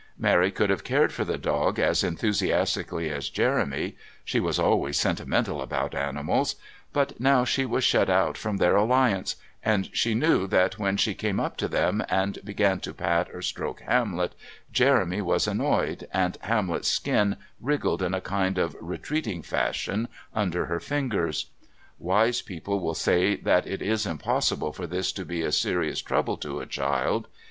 Mary could have cared for the dog as enthusiastically as Jeremy she was always sentimental about animals but now she was shut out from their alliance, and she knew that when she came up to them and began to pat or stroke Hamlet, Jeremy was annoyed and Hamlet's skin wriggled in a kind of retreating fashion under her fingers. Wise people will say that it is impossible for this to be a serious trouble to a child.